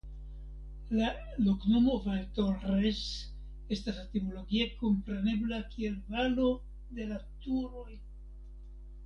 La loknomo "Valtorres" estas etimologie komprenebla kiel "Valo de la Turoj".